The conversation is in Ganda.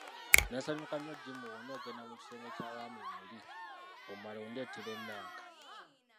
Nnaasanyuka nnyo Jim bw'onoogenda mu kisenge ky'abaami muli omala ondeetera ennanka.